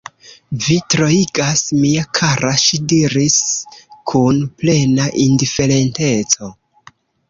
Vi troigas, mia kara, ŝi diris kun plena indiferenteco.